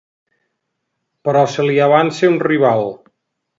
Però se li avança un rival.